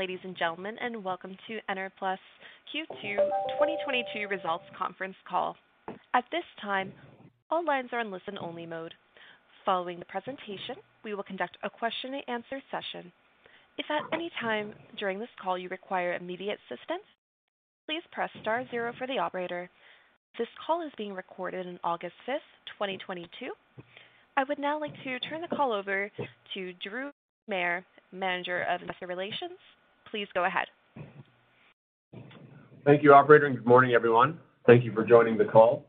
Good morning, ladies and gentlemen, and welcome to Enerplus Q2 2022 Results Conference Call. At this time, all lines are in listen-only mode. Following the presentation, we will conduct a question and answer session. If at any time during this call you require immediate assistance, please press star zero for the operator. This call is being recorded on August 5th, 2022. I would now like to turn the call over to Drew Mair, Manager of Investor Relations. Please go ahead. Thank you operator, and good morning everyone. Thank you for joining the call.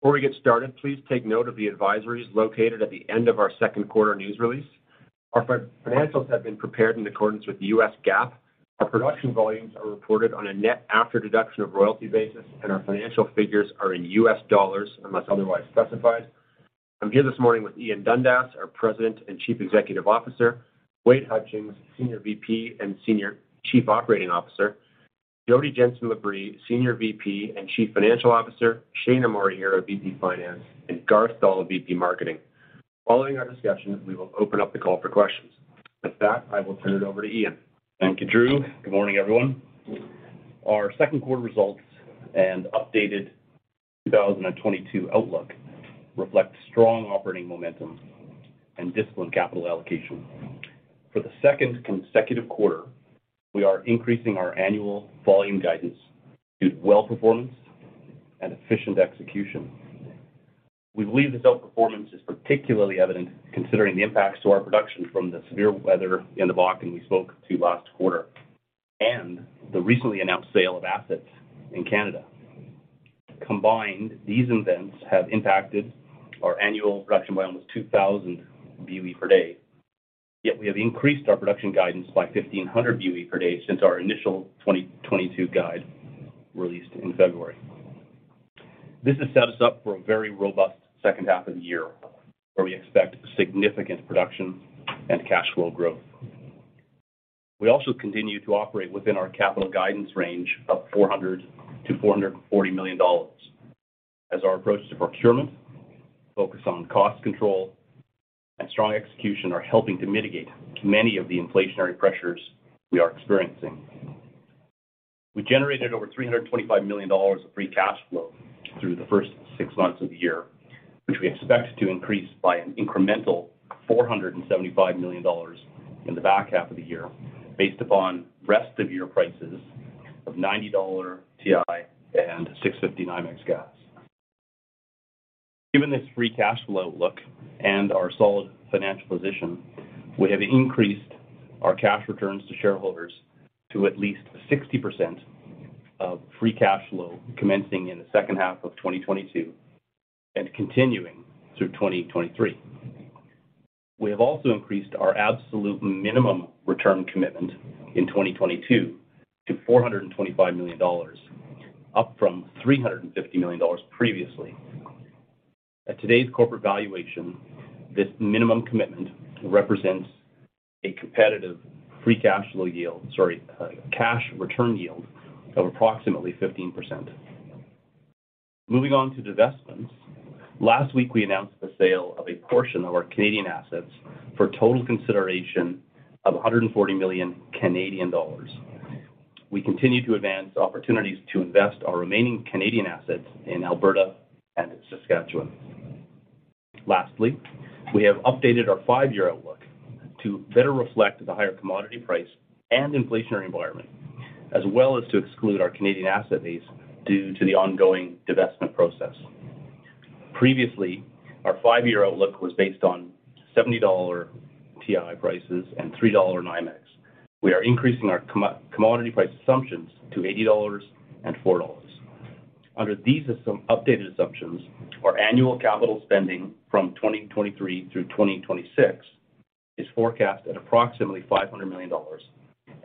Before we get started, please take note of the advisories located at the end of our second quarter news release. Our financials have been prepared in accordance with the U.S. GAAP. Our production volumes are reported on a net after deduction of royalty basis, and our financial figures are in U.S. dollars unless otherwise specified. I'm here this morning with Ian Dundas, our President and Chief Executive Officer, Wade Hutchings, Senior VP and Chief Operating Officer, Jodi Jenson Labrie, Senior VP and Chief Financial Officer, Shaina Morihira, VP Finance, and Garth Doll, VP Marketing. Following our discussion, we will open up the call for questions. With that, I will turn it over to Ian. Thank you, Drew. Good morning, everyone. Our second quarter results and updated 2022 outlook reflect strong operating momentum and disciplined capital allocation. For the second consecutive quarter, we are increasing our annual volume guidance due to well performance and efficient execution. We believe this outperformance is particularly evident considering the impacts to our production from the severe weather in the Bakken we spoke to last quarter, and the recently announced sale of assets in Canada. Combined, these events have impacted our annual production by almost 2,000 BOE per day. Yet we have increased our production guidance by 1,500 BOE per day since our initial 2022 guide released in February. This has set us up for a very robust second half of the year, where we expect significant production and cash flow growth. We continue to operate within our capital guidance range of $400-$440 million as our approach to procurement, focus on cost control and strong execution are helping to mitigate many of the inflationary pressures we are experiencing. We generated over $325 million of free cash flow through the first six months of the year, which we expect to increase by an incremental $475 million in the back half of the year, based upon rest of year prices of $90 WTI and $6.50 NYMEX gas. Given this free cash flow outlook and our solid financial position, we have increased our cash returns to shareholders to at least 60% of free cash flow commencing in the second half of 2022 and continuing through 2023. We have increased our absolute minimum return commitment in 2022 to $425 million, up from $350 million previously. At today's corporate valuation, this minimum commitment represents a competitive cash return yield of approximately 15%. Moving on to divestments. Last week, we announced the sale of a portion of our Canadian assets for total consideration of 140 million Canadian dollars. We continue to advance opportunities to divest our remaining Canadian assets in Alberta and Saskatchewan. Lastly, we have updated our five-year outlook to better reflect the higher commodity price and inflationary environment, as well as to exclude our Canadian asset base due to the ongoing divestment process. Previously, our five-year outlook was based on $70 WTI prices and $3 NYMEX. We are increasing our commodity price assumptions to $80 and $4. Under these updated assumptions, our annual capital spending from 2023 through 2026 is forecast at approximately $500 million,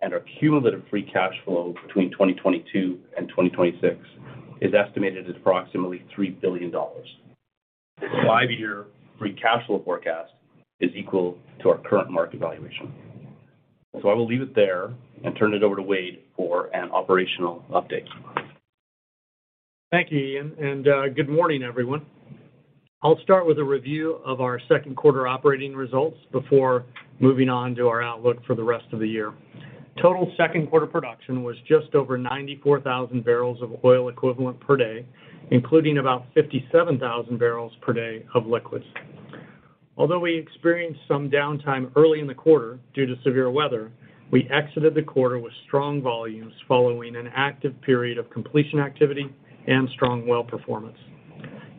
and our cumulative free cash flow between 2022 and 2026 is estimated at approximately $3 billion. This five-year free cash flow forecast is equal to our current market valuation. I will leave it there and turn it over to Wade for an operational update. Thank you, Ian, and, good morning, everyone. I'll start with a review of our second quarter operating results before moving on to our outlook for the rest of the year. Total second quarter production was just over 94,000 barrels of oil equivalent per day, including about 57,000 barrels per day of liquids. Although we experienced some downtime early in the quarter due to severe weather, we exited the quarter with strong volumes following an active period of completion activity and strong well performance.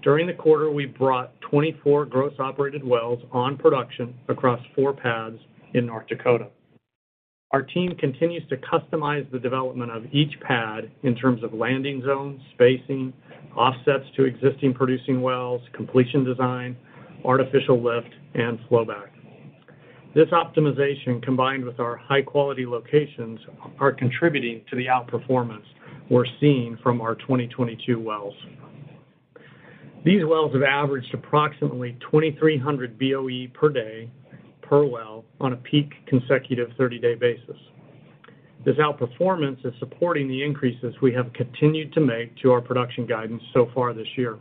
During the quarter, we brought 24 gross operated wells on production across 4 pads in North Dakota. Our team continues to customize the development of each pad in terms of landing zones, spacing, offsets to existing producing wells, completion design, artificial lift, and flowback. This optimization, combined with our high-quality locations, are contributing to the outperformance we're seeing from our 2022 wells. These wells have averaged approximately 2,300 BOE per day per well on a peak consecutive 30-day basis. This outperformance is supporting the increases we have continued to make to our production guidance so far this year.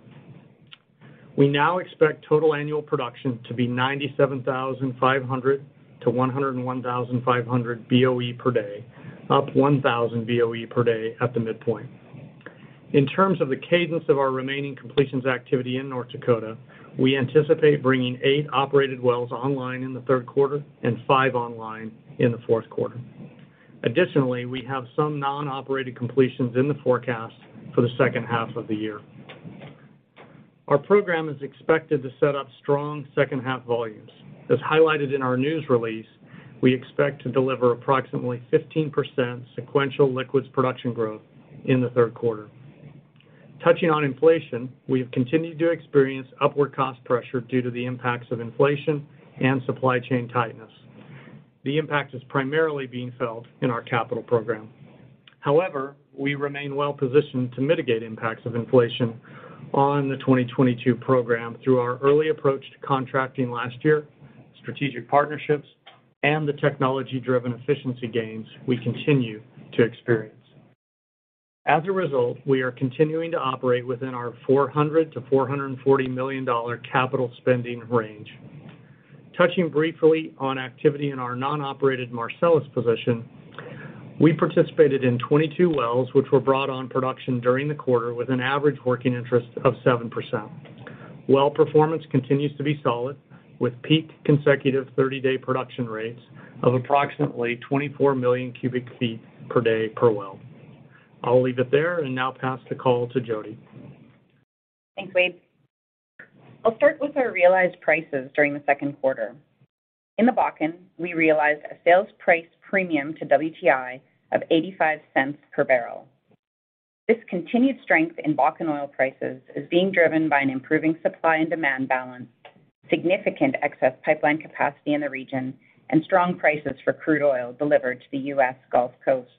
We now expect total annual production to be 97,500-101,500 BOE per day, up 1,000 BOE per day at the midpoint. In terms of the cadence of our remaining completions activity in North Dakota, we anticipate bringing eight operated wells online in the third quarter and five online in the fourth quarter. Additionally, we have some non-operated completions in the forecast for the second half of the year. Our program is expected to set up strong second half volumes. As highlighted in our news release, we expect to deliver approximately 15% sequential liquids production growth in the third quarter. Touching on inflation, we have continued to experience upward cost pressure due to the impacts of inflation and supply chain tightness. The impact is primarily being felt in our capital program. However, we remain well positioned to mitigate impacts of inflation on the 2022 program through our early approach to contracting last year, strategic partnerships, and the technology-driven efficiency gains we continue to experience. As a result, we are continuing to operate within our $400-$440 million capital spending range. Touching briefly on activity in our non-operated Marcellus position, we participated in 22 wells which were brought on production during the quarter with an average working interest of 7%. Well performance continues to be solid, with peak consecutive 30-day production rates of approximately 24 million cubic feet per day per well. I'll leave it there and now pass the call to Jodi. Thanks, Wade. I'll start with our realized prices during the second quarter. In the Bakken, we realized a sales price premium to WTI of $0.85 per barrel. This continued strength in Bakken oil prices is being driven by an improving supply and demand balance, significant excess pipeline capacity in the region, and strong prices for crude oil delivered to the U.S. Gulf Coast.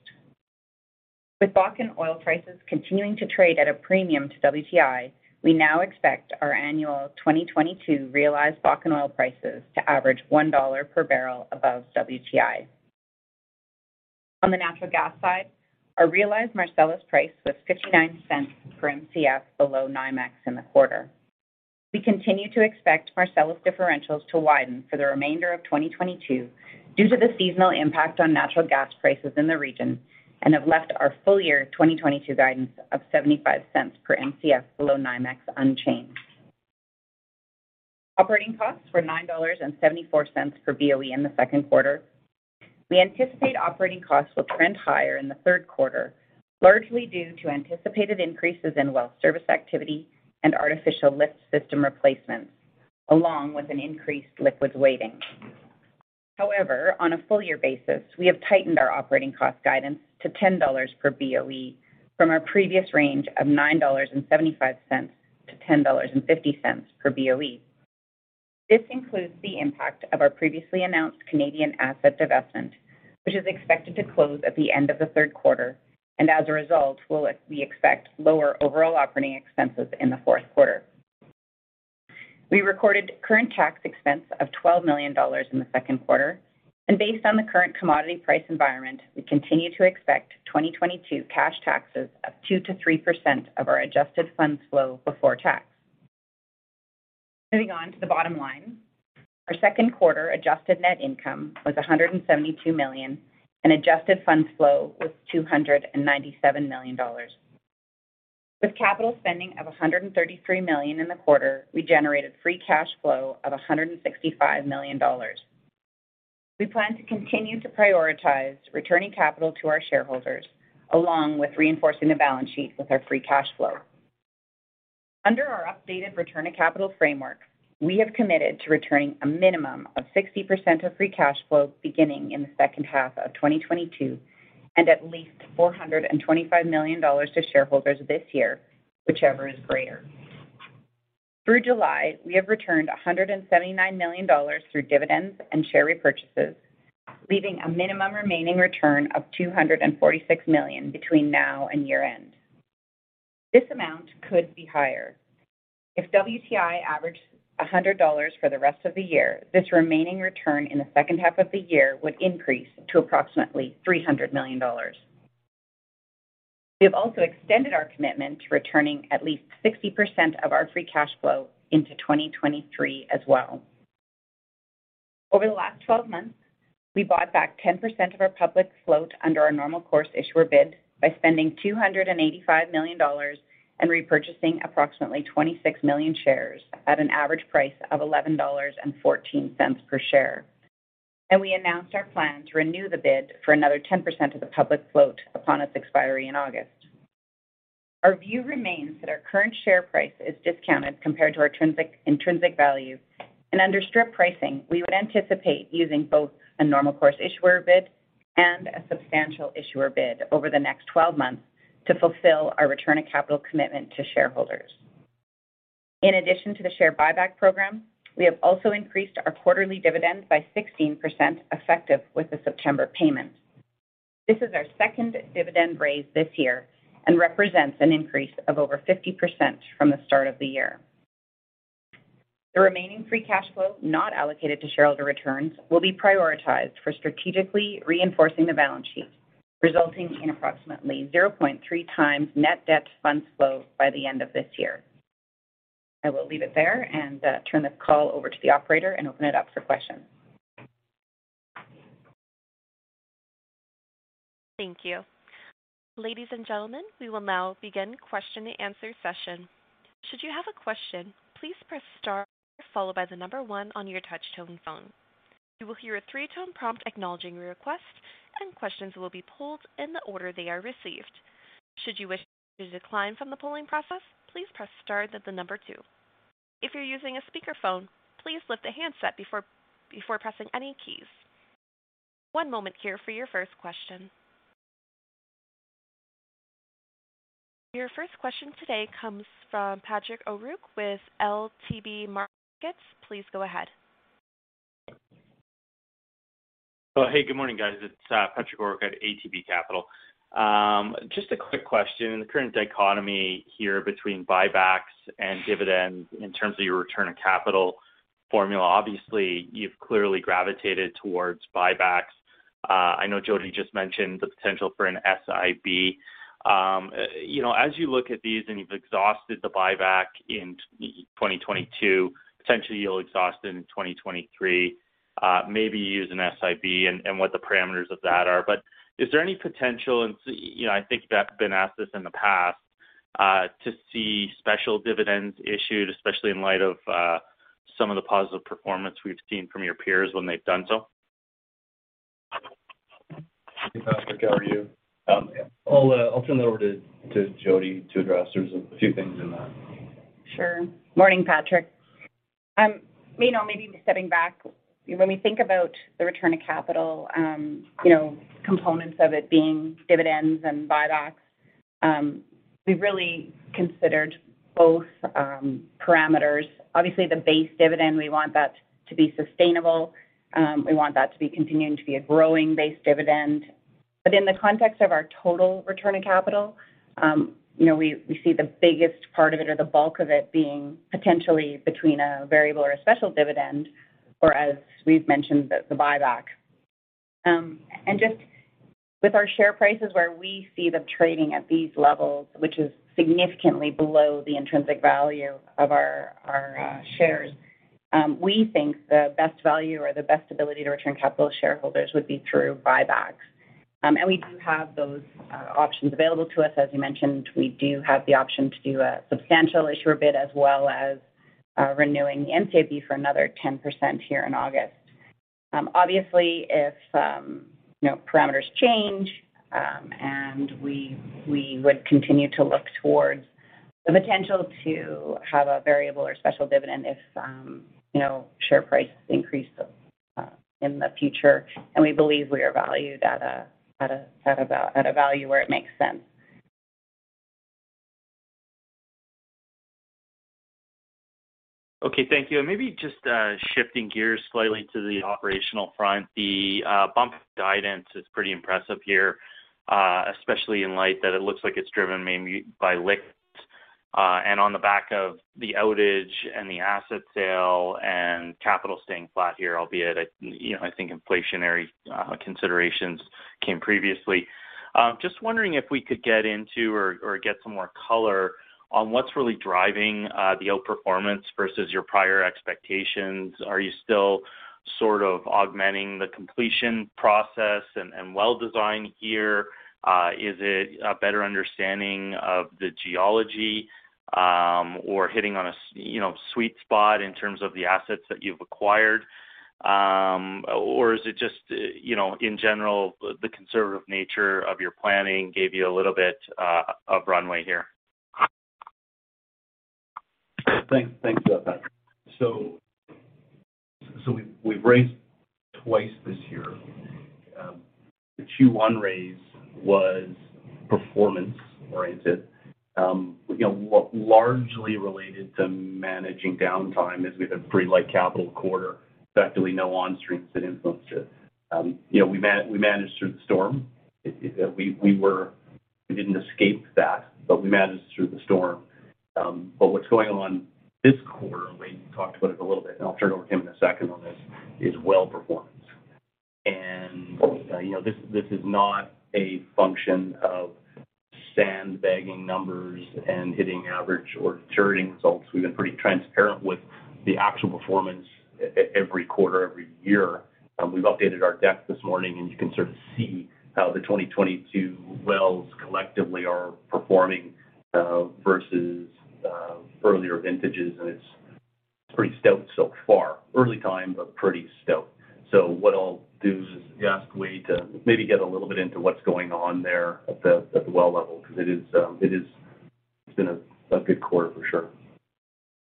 With Bakken oil prices continuing to trade at a premium to WTI, we now expect our annual 2022 realized Bakken oil prices to average $1 per barrel above WTI. On the natural gas side, our realized Marcellus price was $0.59 per Mcf below NYMEX in the quarter. We continue to expect Marcellus differentials to widen for the remainder of 2022 due to the seasonal impact on natural gas prices in the region and have left our full-year 2022 guidance of $0.75 per Mcf below NYMEX unchanged. Operating costs were $9.74 per BOE in the second quarter. We anticipate operating costs will trend higher in the third quarter, largely due to anticipated increases in well service activity and artificial lift system replacements, along with an increased liquids weighting. However, on a full-year basis, we have tightened our operating cost guidance to $10 per BOE from our previous range of $9.75-$10.50 per BOE. This includes the impact of our previously announced Canadian asset divestment, which is expected to close at the end of the third quarter, and as a result, we expect lower overall operating expenses in the fourth quarter. We recorded current tax expense of $12 million in the second quarter, and based on the current commodity price environment, we continue to expect 2022 cash taxes of 2%-3% of our adjusted funds flow before tax. Moving on to the bottom line. Our second quarter adjusted net income was $172 million and adjusted funds flow was $297 million. With capital spending of $133 million in the quarter, we generated free cash flow of $165 million. We plan to continue to prioritize returning capital to our shareholders, along with reinforcing the balance sheet with our free cash flow. Under our updated return of capital framework, we have committed to returning a minimum of 60% of free cash flow beginning in the second half of 2022 and at least $425 million to shareholders this year, whichever is greater. Through July, we have returned $179 million through dividends and share repurchases, leaving a minimum remaining return of $246 million between now and year-end. This amount could be higher. If WTI averaged $100 for the rest of the year, this remaining return in the second half of the year would increase to approximately $300 million. We have also extended our commitment to returning at least 60% of our free cash flow into 2023 as well. Over the last 12 months, we bought back 10% of our public float under our normal course issuer bid by spending $285 million and repurchasing approximately 26 million shares at an average price of $11.14 per share. We announced our plan to renew the bid for another 10% of the public float upon its expiry in August. Our view remains that our current share price is discounted compared to our intrinsic value, and under strip pricing, we would anticipate using both a normal course issuer bid and a substantial issuer bid over the next 12 months to fulfill our return of capital commitment to shareholders. In addition to the share buyback program, we have also increased our quarterly dividend by 16%, effective with the September payment. This is our second dividend raise this year and represents an increase of over 50% from the start of the year. The remaining free cash flow not allocated to shareholder returns will be prioritized for strategically reinforcing the balance sheet, resulting in approximately 0.3 times net debt to funds flow by the end of this year. I will leave it there and turn the call over to the operator and open it up for questions. Thank you. Ladies and gentlemen, we will now begin question and answer session. Should you have a question, please press star followed by the number 1 on your touch-tone phone. You will hear a three-tone prompt acknowledging your request, and questions will be pooled in the order they are received. Should you wish to decline from the polling process, please press star, then the number 2. If you're using a speakerphone, please lift the handset before pressing any keys. One moment here for your first question. Your first question today comes from Patrick O'Rourke with ATB Capital Markets. Please go ahead. Good morning, guys. It's Patrick O'Rourke at ATB Capital Markets. Just a quick question. The current dichotomy here between buybacks and dividends in terms of your return on capital formula, obviously, you've clearly gravitated towards buybacks. I know Jodi just mentioned the potential for an SIB. You know, as you look at these and you've exhausted the buyback in 2022, potentially you'll exhaust it in 2023, maybe use an SIB and what the parameters of that are. Is there any potential you know, I think you've been asked this in the past, to see special dividends issued, especially in light of some of the positive performance we've seen from your peers when they've done so? Hey, Patrick. How are you? I'll turn it over to Jodi to address. There's a few things in that. Sure. Morning, Patrick. You know, maybe stepping back, when we think about the return of capital, you know, components of it being dividends and buybacks, we've really considered both parameters. Obviously, the base dividend, we want that to be sustainable. We want that to be continuing to be a growing base dividend. In the context of our total return of capital, you know, we see the biggest part of it or the bulk of it being potentially between a variable or a special dividend or, as we've mentioned, the buyback. Just with our share prices where we see them trading at these levels, which is significantly below the intrinsic value of our shares, we think the best value or the best ability to return capital to shareholders would be through buybacks. We do have those options available to us. As you mentioned, we do have the option to do a substantial issuer bid as well as renewing the NCIB for another 10% here in August. Obviously, if you know, parameters change, and we would continue to look towards the potential to have a variable or special dividend if you know, share prices increase in the future, and we believe we are valued at a value where it makes sense. Okay. Thank you. Maybe just shifting gears slightly to the operational front. The bump guidance is pretty impressive here, especially in light that it looks like it's driven mainly by liquids. On the back of the outage and the asset sale and capital staying flat here, albeit you know I think inflationary considerations came previously. Just wondering if we could get into or get some more color on what's really driving the outperformance versus your prior expectations. Are you still sort of augmenting the completion process and well design here? Is it a better understanding of the geology or hitting on a you know sweet spot in terms of the assets that you've acquired? Is it just, you know, in general, the conservative nature of your planning gave you a little bit of runway here? Thanks. Thanks for that, Patrick. We have raised twice this year. The Q1 raise was performance-oriented, you know, largely related to managing downtime as we had a pretty light capital quarter. Effectively, no on-streams that influenced it. You know, we managed through the storm. We didn't escape that, but we managed through the storm. What's going on this quarter, and Wade talked about it a little bit, and I'll turn it over to him in a second on this, is well performance. You know, this is not a function of sandbagging numbers and hitting average or deterring results. We've been pretty transparent with the actual performance every quarter, every year. We've updated our deck this morning, and you can sort of see how the 2022 wells collectively are performing versus earlier vintages, and it's pretty stout so far. Early times, but pretty stout. What I'll do is ask Wade to maybe get a little bit into what's going on there at the well level because it's been a good quarter for sure.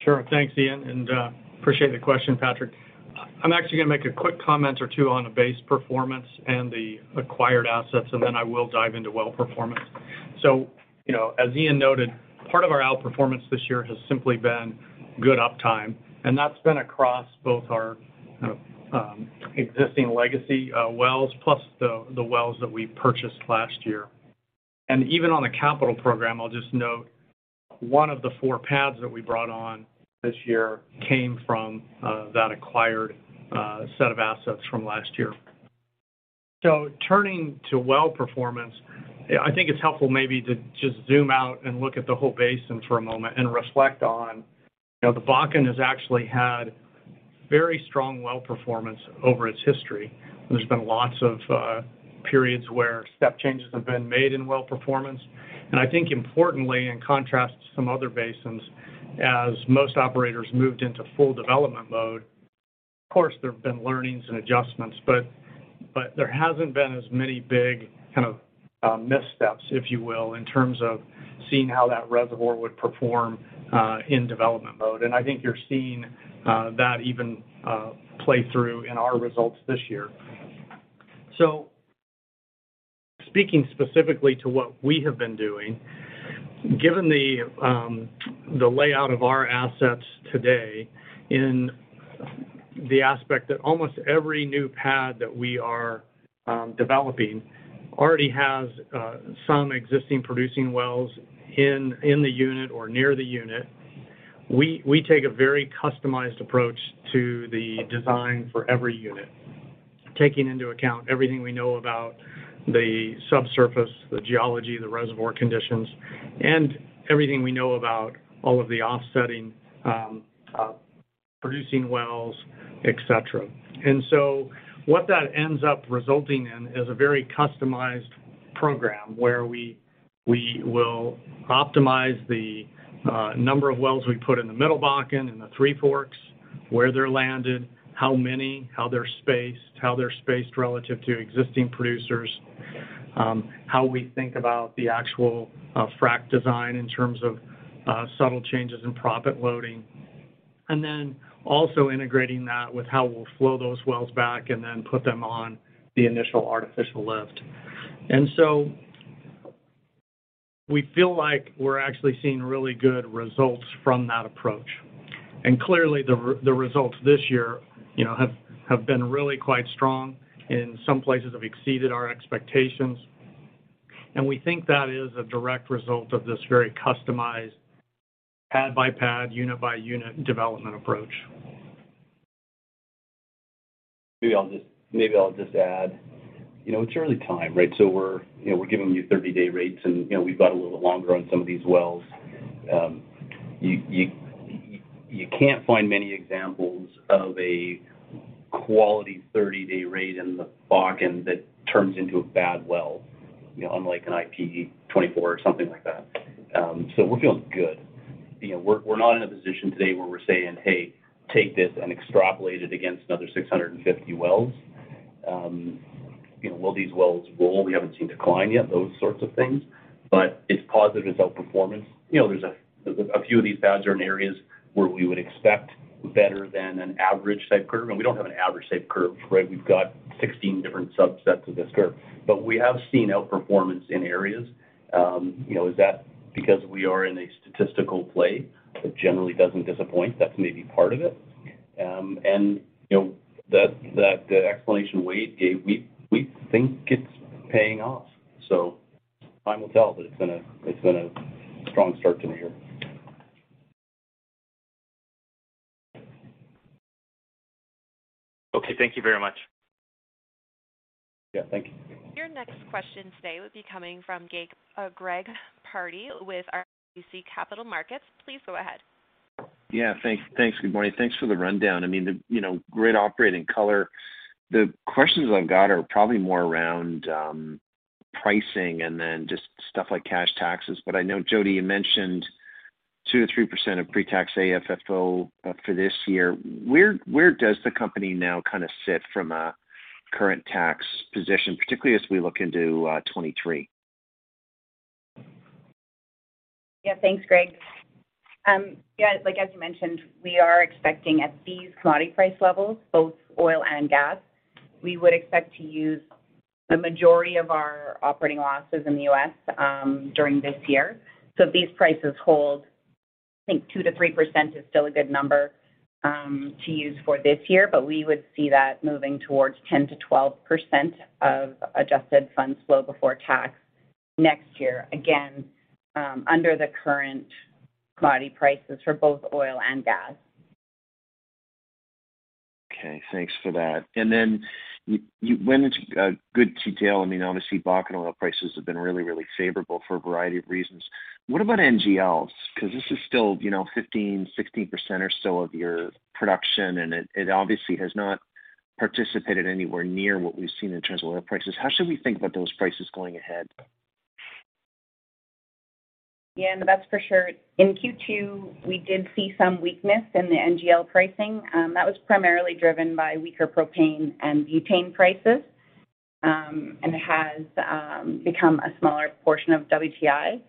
Sure. Thanks, Ian, and appreciate the question, Patrick. I'm actually gonna make a quick comment or two on the base performance and the acquired assets, and then I will dive into well performance. You know, as Ian noted, part of our outperformance this year has simply been good uptime, and that's been across both our existing legacy wells plus the wells that we purchased last year. Even on the capital program, I'll just note one of the four pads that we brought on this year came from that acquired set of assets from last year. Turning to well performance, I think it's helpful maybe to just zoom out and look at the whole basin for a moment and reflect on, you know, the Bakken has actually had very strong well performance over its history. There's been lots of periods where step changes have been made in well performance. I think importantly, in contrast to some other basins, as most operators moved into full development mode, of course, there have been learnings and adjustments, but there hasn't been as many big kind of missteps, if you will, in terms of seeing how that reservoir would perform in development mode. I think you're seeing that even play through in our results this year. Speaking specifically to what we have been doing, given the layout of our assets today in the aspect that almost every new pad that we are developing already has some existing producing wells in the unit or near the unit. We take a very customized approach to the design for every unit, taking into account everything we know about the subsurface, the geology, the reservoir conditions, and everything we know about all of the offsetting producing wells, et cetera. What that ends up resulting in is a very customized program where we will optimize the number of wells we put in the Middle Bakken, in the Three Forks, where they're landed, how many, how they're spaced, how they're spaced relative to existing producers, how we think about the actual frac design in terms of subtle changes in proppant loading. Also integrating that with how we'll flow those wells back and then put them on the initial artificial lift. We feel like we're actually seeing really good results from that approach. Clearly, the results this year, you know, have been really quite strong, in some places have exceeded our expectations. We think that is a direct result of this very customized pad by pad, unit by unit development approach. Maybe I'll just add, you know, it's early time, right? So we're, you know, we're giving you 30-day rates and, you know, we've got a little longer on some of these wells. You can't find many examples of a quality 30-day rate in the Bakken that turns into a bad well, you know, unlike an IP24 or something like that. So we're feeling good. You know, we're not in a position today where we're saying, "Hey, take this and extrapolate it against another 650 wells." You know, will these wells roll? We haven't seen decline yet, those sorts of things. But it's positive it's outperformance. You know, there's a few of these pads are in areas where we would expect better than an average type curve. We don't have an average type curve, right? We've got 16 different subsets of this curve. We have seen outperformance in areas. You know, is that because we are in a statistical play that generally doesn't disappoint? That's maybe part of it. You know, that explanation Wade gave, we think it's paying off. Time will tell, but it's been a strong start to the year. Okay, thank you very much. Yeah, thank you. Your next question today will be coming from Greg Pardy with RBC Capital Markets. Please go ahead. Yeah, thanks. Good morning. Thanks for the rundown. I mean, you know, great operating color. The questions I've got are probably more around pricing and then just stuff like cash taxes. I know, Jodi, you mentioned 2%-3% of pre-tax AFFO for this year. Where does the company now kinda sit from a current tax position, particularly as we look into 2023? Yeah. Thanks, Greg. Yeah, like, as you mentioned, we are expecting at these commodity price levels, both oil and gas, we would expect to use the majority of our operating losses in the U.S., during this year. If these prices hold, I think 2%-3% is still a good number to use for this year, but we would see that moving towards 10%-12% of adjusted funds flow before tax next year, again, under the current commodity prices for both oil and gas. Okay, thanks for that. You went into good detail. I mean, obviously, Bakken oil prices have been really, really favorable for a variety of reasons. What about NGLs? 'Cause this is still, you know, 15%-16% or so of your production, and it obviously has not participated anywhere near what we've seen in terms of oil prices. How should we think about those prices going ahead? That's for sure. In Q2, we did see some weakness in the NGL pricing that was primarily driven by weaker propane and butane prices and has become a smaller portion of WTI.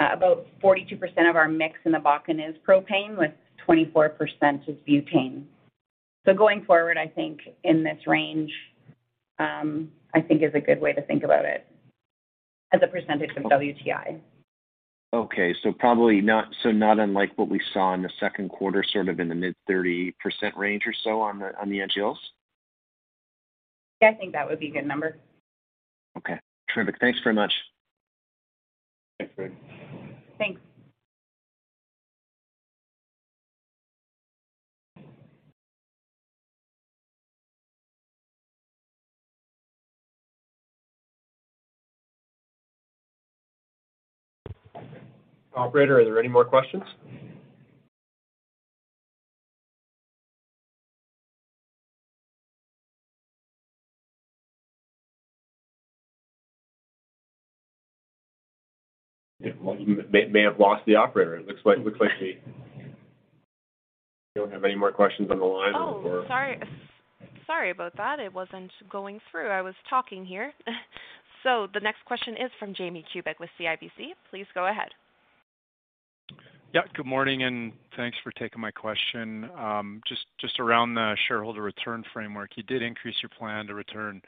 About 42% of our mix in the Bakken is propane, with 24% is butane. Going forward, I think in this range is a good way to think about it as a percentage of WTI. Probably not unlike what we saw in the second quarter, sort of in the mid-30% range or so on the NGLs? Yeah, I think that would be a good number. Okay, terrific. Thanks very much. Thanks, Greg. Thanks. Operator, are there any more questions? Yeah, well, you may have lost the operator. It looks like we don't have any more questions on the line or- Oh, sorry. Sorry about that. It wasn't going through. I was talking here. The next question is from James Kubik with CIBC. Please go ahead. Yeah. Good morning, and thanks for taking my question. Just around the shareholder return framework. You did increase your plan to return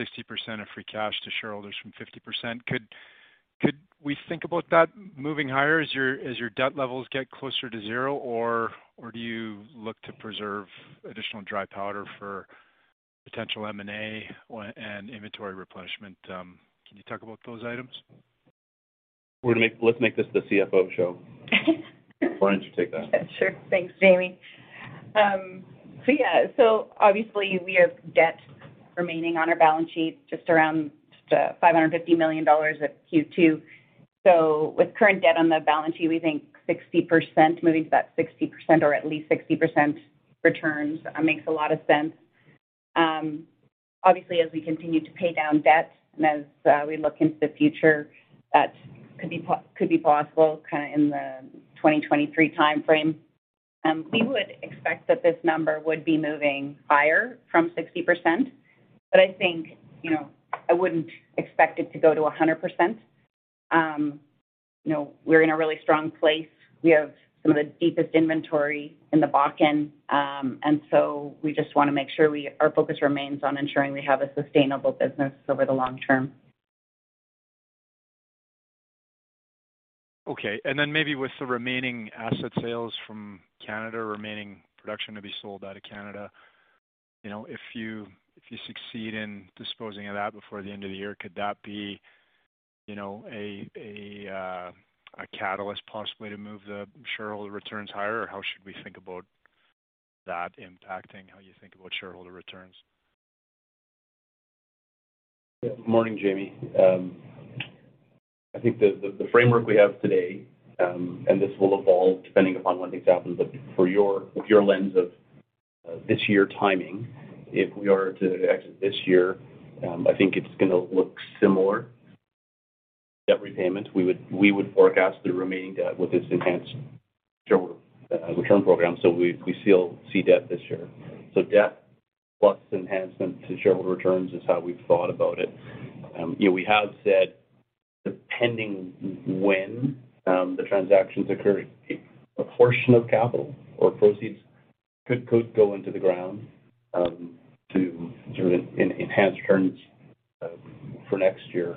60% of free cash to shareholders from 50%. Could we think about that moving higher as your debt levels get closer to zero, or do you look to preserve additional dry powder for potential M&A or and inventory replenishment? Can you talk about those items? Let's make this the CFO show. Jodi Jenson Labrie, you take that. Sure. Thanks, Jamie. Obviously, we have debt remaining on our balance sheet just around $550 million at Q2. With current debt on the balance sheet, we think 60%, moving to that 60% or at least 60% returns, makes a lot of sense. Obviously, as we continue to pay down debt, and as we look into the future, that could be possible, kinda in the 2023 timeframe. We would expect that this number would be moving higher from 60%, but I think, you know, I wouldn't expect it to go to 100%. You know, we're in a really strong place. We have some of the deepest inventory in the Bakken. We just wanna make sure we. Our focus remains on ensuring we have a sustainable business over the long term. Okay. Then maybe with the remaining asset sales from Canada, remaining production to be sold out of Canada, you know, if you succeed in disposing of that before the end of the year, could that be, you know, a catalyst possibly to move the shareholder returns higher? Or how should we think about that impacting how you think about shareholder returns? Yeah. Morning, Jamie. I think the framework we have today, and this will evolve depending upon when things happen. For your lens of this year timing, if we are to exit this year, I think it's gonna look similar. Debt repayment, we would forecast the remaining debt with this enhanced shareholder return program, so we still see debt this year. Debt plus enhancement to shareholder returns is how we've thought about it. You know, we have said, depending when the transactions occur, a portion of capital or proceeds could go into the ground to sort of enhance returns for next year.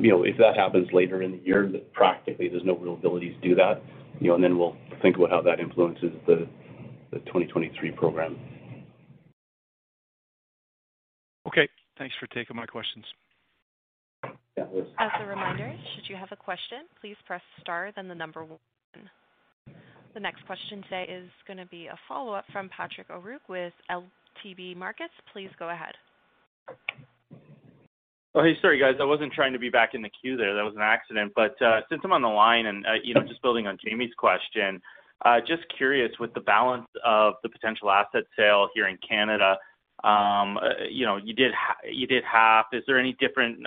You know, if that happens later in the year, then practically there's no real ability to do that, you know, and then we'll think about how that influences the 2023 program. Okay. Thanks for taking my questions. Yeah. As a reminder, should you have a question, please press star then the number one. The next question today is gonna be a follow-up from Patrick O'Rourke with ATB Capital Markets. Please go ahead. Oh, hey, sorry guys. I wasn't trying to be back in the queue there. That was an accident. Since I'm on the line and, you know, just building on Jamie's question, just curious with the balance of the potential asset sale here in Canada, you know, you did half, is there any different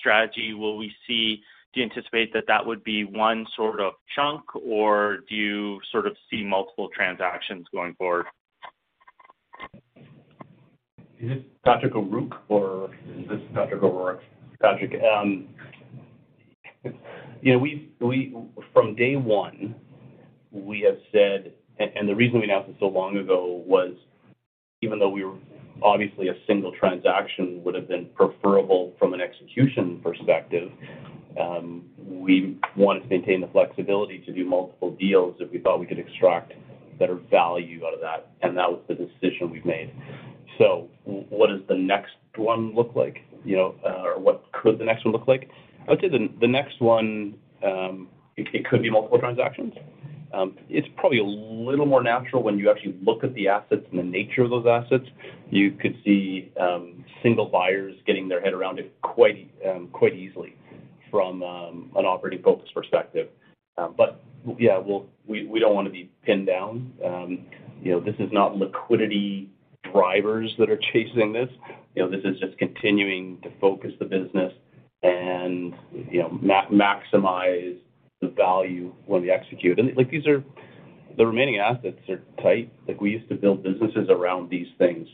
strategy will we see? Do you anticipate that would be one sort of chunk, or do you sort of see multiple transactions going forward? Is this Patrick O'Rourke? Patrick, you know, we. From day one, we have said. The reason we announced it so long ago was even though we were obviously a single transaction would have been preferable from an execution perspective, we wanted to maintain the flexibility to do multiple deals if we thought we could extract better value out of that, and that was the decision we've made. What does the next one look like? You know, or what could the next one look like? I would say the next one, it could be multiple transactions. It's probably a little more natural when you actually look at the assets and the nature of those assets. You could see single buyers getting their head around it quite easily from an operating focus perspective. Yeah, we don't wanna be pinned down. You know, this is not liquidity drivers that are chasing this. You know, this is just continuing to focus the business and, you know, maximize the value when we execute. Like the remaining assets are tight. Like, we used to build businesses around these things.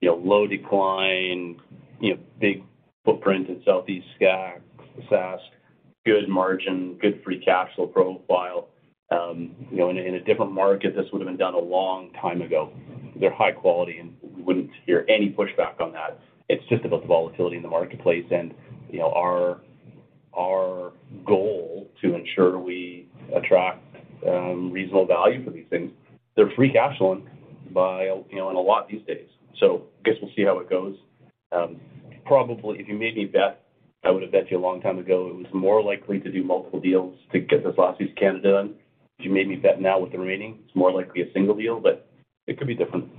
You know, low decline, you know, big footprint in Southeast Saskatchewan, good margin, good free cash flow profile. You know, in a different market, this would've been done a long time ago. They're high quality, and we wouldn't hear any pushback on that. It's just about the volatility in the marketplace and, you know, our goal to ensure we attract reasonable value for these things. They're free cash flow in a lot these days. Guess we'll see how it goes. Probably if you made me bet, I would have bet you a long time ago it was more likely to do multiple deals to get this Southeast Saskatchewan done. If you made me bet now with the remaining, it's more likely a single deal, but it could be different.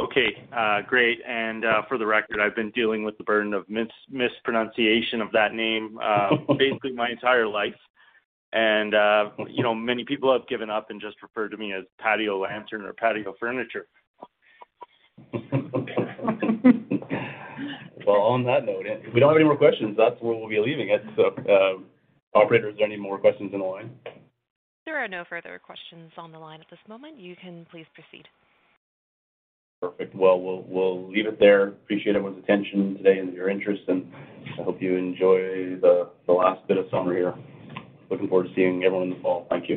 Okay. Great. For the record, I've been dealing with the burden of mispronunciation of that name, basically my entire life. You know, many people have given up and just refer to me as patio lantern or patio furniture. Well, on that note, if we don't have any more questions, that's where we'll be leaving it. Operator, is there any more questions on the line? There are no further questions on the line at this moment. You can please proceed. Perfect. Well, we'll leave it there. Appreciate everyone's attention today and your interest, and I hope you enjoy the last bit of summer here. Looking forward to seeing everyone in the fall. Thank you.